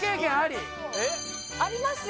ありますよ